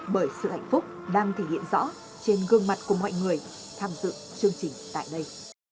bởi sự hạnh phúc đang thể hiện rõ trên gương mặt của mọi người tham dự chương trình tại đây